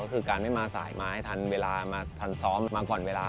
ก็คือการไม่มาสายมาให้ทันเวลามาทันซ้อมมาผ่อนเวลา